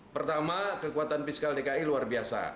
pertama kekuatan fiskal dki luar biasa